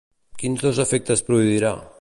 Quins dos efectes produirà?